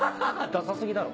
ダサ過ぎだろ。